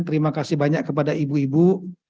terima kasih banyak kepada ibu ibu